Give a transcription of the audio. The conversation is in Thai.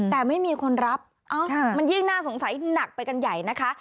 แต่ไม่มีคนรับมันยิ่งน่าสงสัยหนักไปกันใหญ่นะคะ